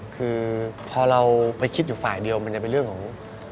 คือพอเราไปคิดอยู่ฝ่ายเดียวมันจะเป็นเรื่องของ